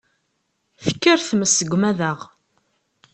Tekker tmes deg umadaɣ